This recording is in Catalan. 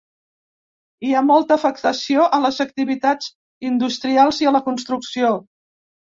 Hi ha molta afectació a les activitats industrials i a la construcció.